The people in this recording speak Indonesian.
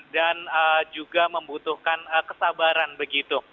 dan juga membutuhkan kesabaran begitu